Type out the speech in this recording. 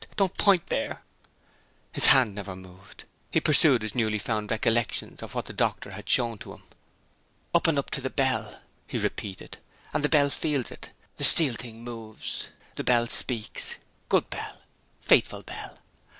"Don't point there!" His hand never moved; he pursued his newly found recollections of what the doctor had shown to him. "Up and up to the bell," he repeated. "And the bell feels it. The steel thing moves. The bell speaks. Good bell! Faithful bell!"